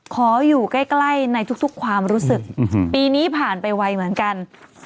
ขออยู่ใกล้ในทุกความรู้สึกปีนี้ผ่านไปไวเหมือนกัน